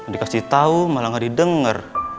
dikasih tau malah gak didengar